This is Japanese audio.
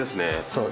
そう。